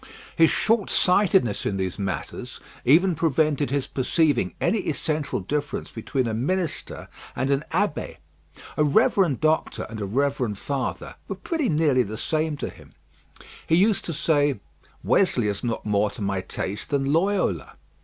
His shortsightedness in these matters even prevented his perceiving any essential difference between a minister and an abbé. A reverend doctor and a reverend father were pretty nearly the same to him. He used to say, "Wesley is not more to my taste than Loyola."